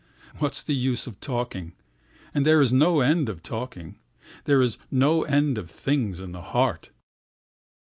What is the use of talking! And there is no end of talking—There is no end of things in the heart.